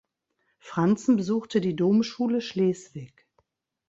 Franzen besuchte die Domschule Schleswig.